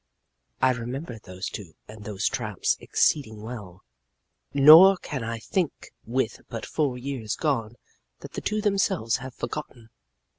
I remember those two and those tramps exceeding well nor can I think with but four years gone that the two themselves have forgotten.